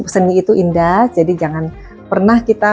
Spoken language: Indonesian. seni itu indah jadi jangan pernah kita